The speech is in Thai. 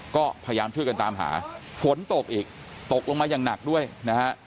ก็พยายามช่วยกันตามหาฝนตกอีกตกลงมาอย่างหนักด้วยนะฮะ